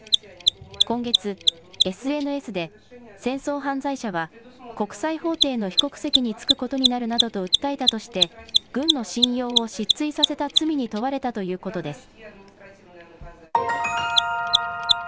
今月、ＳＮＳで戦争犯罪者は国際法廷の被告席につくことになるなどと訴えたとして、軍の信用を失墜させた罪に問われたということです。